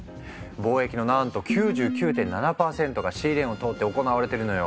貿易のなんと９９．７％がシーレーンを通って行われているのよ。